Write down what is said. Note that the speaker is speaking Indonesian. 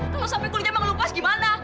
kalau sampai kulitnya mau ngelupas gimana